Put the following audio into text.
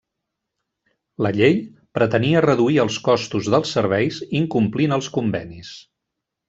La llei pretenia reduir els costos dels serveis incomplint els convenis.